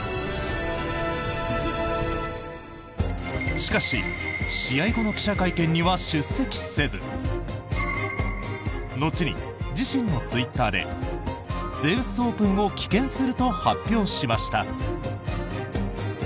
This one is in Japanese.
しかし、試合後の記者会見には出席せず後に、自身のツイッターで全仏オープンを棄権すると発表しました。